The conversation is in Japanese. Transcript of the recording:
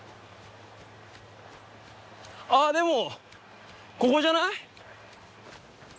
あっでもここじゃない？